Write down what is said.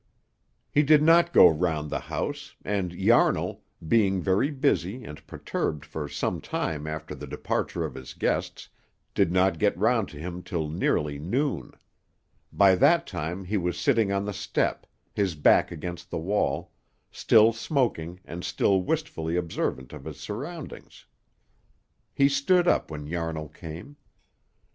He did not go round the house, and Yarnall, being very busy and perturbed for some time after the departure of his guests, did not get round to him till nearly noon. By that time he was sitting on the step, his back against the wall, still smoking and still wistfully observant of his surroundings. He stood up when Yarnall came.